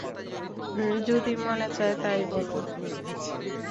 যদি মনে চায়, তা-ই বলো।